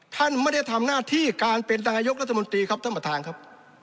ท่านไม่ได้ทำหน้าที่การเป็นนายกรัฐมนตรีครับท่านประธานครับ